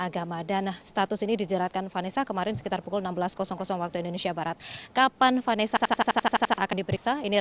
ahli bahasa ahli ite dan ahli dari kementerian